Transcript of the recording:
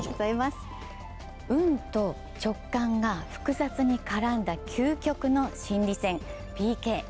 運と直感が複雑に絡んだ究極の心理戦、ＰＫ。